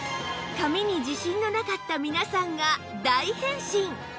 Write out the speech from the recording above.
髪に自信のなかった皆さんが大変身！